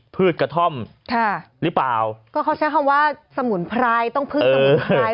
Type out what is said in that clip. พืชกระท่อมค่ะหรือเปล่าก็เขาใช้คำว่าสมุนไพรต้องพืชสมุนไพร